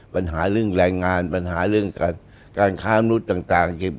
ปัญหาเรื่องแรงงานปัญหาเรื่องการค้ามนุษย์ต่าง